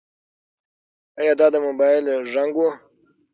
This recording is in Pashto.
ایا دا د موبایل زنګ و؟